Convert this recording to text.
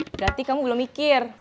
berarti kamu belum mikir